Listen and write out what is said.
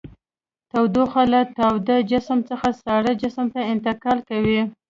تودوخه له تاوده جسم څخه ساړه جسم ته انتقال کوي.